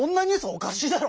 おかしいだろう！